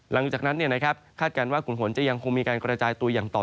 หลังจากนั้นคาดการณ์ว่าขุมฝนจะยังคงมีการกระจายตัวอย่างต่อเนื่อง